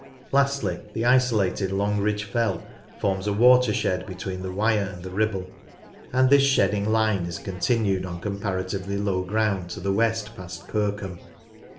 Lastly, the isolated Longridge Fell forms a watershed between the Wyre and the Ribble, and this shedding line is continued on comparatively low ground to the west past Kirkham.